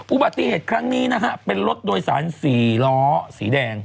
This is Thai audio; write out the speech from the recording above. อุบัติเหตุครั้งนี้นะฮะเป็นรถโดยสาร๔ล้อสีแดง